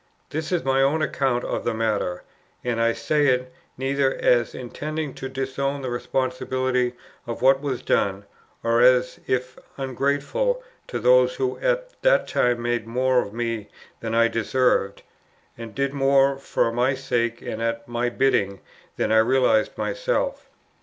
This is my own account of the matter; and I say it, neither as intending to disown the responsibility of what was done, or as if ungrateful to those who at that time made more of me than I deserved, and did more for my sake and at my bidding than I realized myself.